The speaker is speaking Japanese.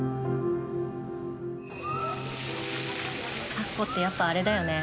咲子ってやっぱあれだよね。